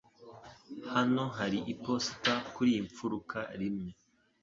Hano hari iposita kuriyi mfuruka rimwe.